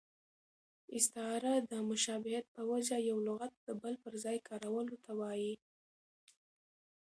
استعاره د مشابهت په وجه یو لغت د بل پر ځای کارولو ته وايي.